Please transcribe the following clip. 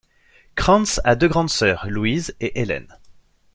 Kranz a deux grandes sœurs, Louise et Helen.